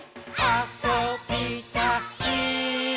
あそびたいっ！！」